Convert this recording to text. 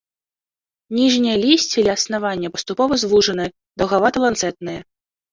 Ніжняе лісце ля аснавання паступова звужанае, даўгавата-ланцэтнае.